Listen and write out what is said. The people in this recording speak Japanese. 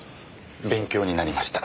勉強になりました。